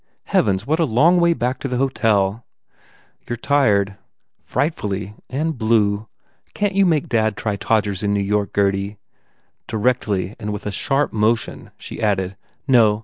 Heavens, what a long way back to the hotel !" "You re tired." "Frightfully. And blue. ... Can t you make dad try Tbdgers in New York, Gurdy?" Directly and with a sharp motion she added, "No.